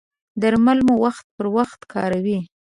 درمل مو وخت پر وخت کاروئ؟